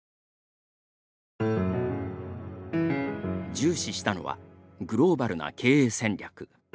重視したのはグローバルな経営戦略。